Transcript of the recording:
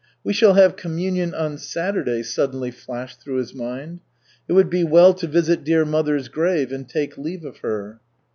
"We shall have communion on Saturday," suddenly flashed through his mind. "It would be well to visit dear mother's grave and take leave of her."